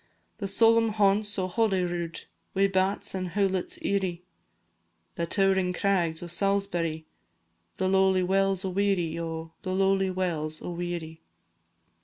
The solemn haunts o' Holyrood, Wi' bats and hoolits eerie, The tow'ring crags o' Salisbury, The lowly wells o' Weary, O The lowly wells o' Weary.